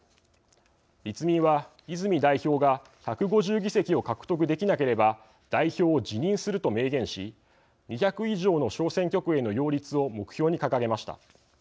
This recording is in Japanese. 立民は、泉代表が１５０議席を獲得できなければ代表を辞任すると明言し２００以上の小選挙区への擁立を目標に掲げました。